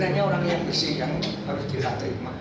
jadi orang yang bersih yang harus dihukum